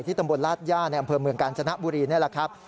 ตำบลลาดย่าในอำเภอเมืองกาญจนบุรีนี่แหละครับ